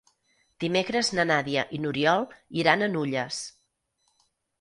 Dimecres na Nàdia i n'Oriol iran a Nulles.